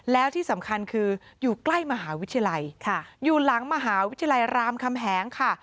แล้วที่สำคัญคืออยู่ใกล้มหาวิทยาลัยอยู่หลังมหาวิทยาลัยรามคำแหงค่ะ